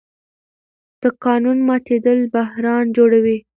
د قانون ماتېدل بحران جوړوي